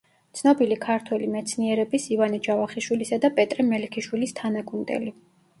ცნობილი ქართველი მეცნიერების ივანე ჯავახიშვილისა და პეტრე მელიქიშვილის თანაგუნდელი.